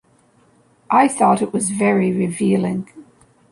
I thought it was very revealing.